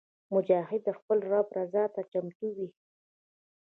مجاهد د خپل رب رضا ته چمتو وي.